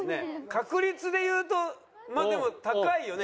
確率でいうとまあでも高いよね。